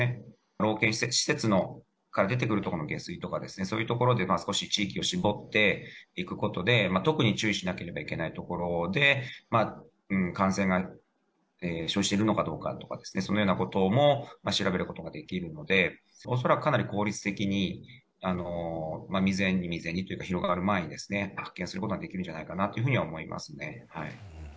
老健施設から出てくるところの下水とかですね、そういうところで少し地域を絞っていくことで、特に注意しなければいけない所で、感染が生じているのかどうかとか、そのようなことも調べることができるので、恐らくかなり効率的に未然に、未然にというか、広がる前に発見することができるんじゃないかなというふうには思いますね。